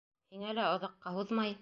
Һиңә лә оҙаҡҡа һуҙмай...